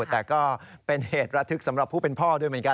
แต่ก็เป็นเหตุระทึกสำหรับผู้เป็นพ่อด้วยเหมือนกัน